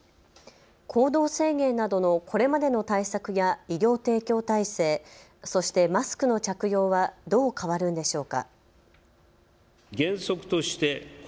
行動制限などのこれまでの対策や医療提供体制、そしてマスクの着用はどう変わるんでしょうか。